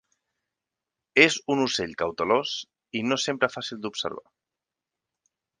És un ocell cautelós i no sempre fàcil d'observar.